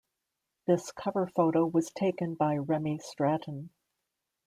This cover photo was taken by Remy Stratton.